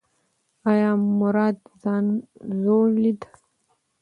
ایا مراد ځان زوړ لید؟